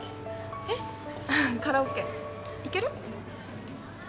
えっ？カラオケ行ける？